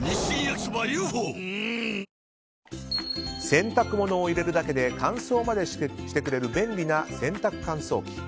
洗濯物を入れるだけで乾燥までしてくれる便利な洗濯乾燥機。